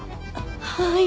「はい」